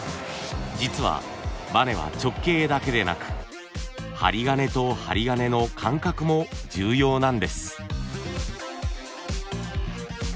実はバネは直径だけでなく針金と針金の間隔も重要なんです。